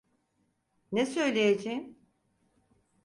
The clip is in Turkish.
Ne söyleyeceğim?